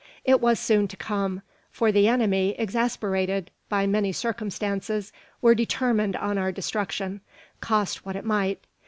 It was soon to come; for the enemy, exasperated by many circumstances, were determined on our destruction, cost what it might.